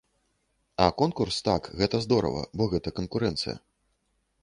А конкурс, так, гэта здорава, бо гэта канкурэнцыя.